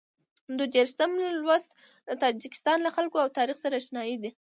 دوه دېرشم لوست د تاجکستان له خلکو او تاریخ سره اشنايي ده.